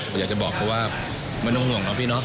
อยากจะบอกเขาว่าไม่ต้องห่วงนะพี่